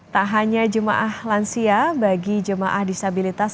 tak hanya jemaah lansia bagi jemaah disabilitas